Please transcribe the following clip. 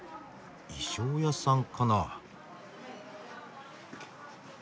衣装屋さんかな。